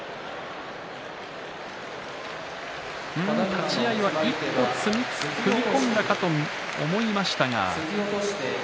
立ち合いは一歩踏み込んだかと思いましたが。